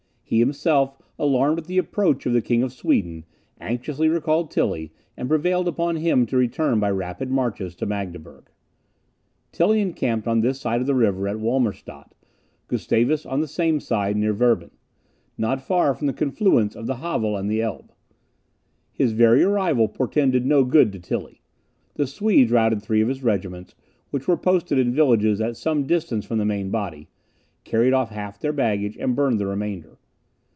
He himself, alarmed at the approach of the King of Sweden, anxiously recalled Tilly, and prevailed upon him to return by rapid marches to Magdeburg. Tilly encamped on this side of the river at Wolmerstadt; Gustavus on the same side, near Werben, not far from the confluence of the Havel and the Elbe. His very arrival portended no good to Tilly. The Swedes routed three of his regiments, which were posted in villages at some distance from the main body, carried off half their baggage, and burned the remainder.